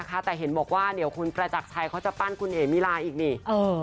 ค่ะแต่เห็นบอกว่าคุณประจักรชัยจะปั้นคุณเอ๋มีราอีกนี่